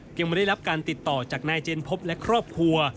ยังไม่ได้รับการติดต่อจากนายเจนพบและครอบครัว